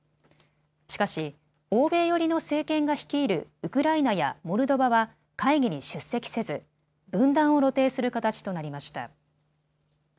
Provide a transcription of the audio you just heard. しかし欧米寄りの政権が率いるウクライナやモルドバは会議に出席せず分断を露呈する形となりました。